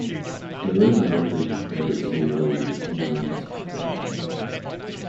Their version of Richard Berry's "Louie, Louie" became the region's unofficial anthem.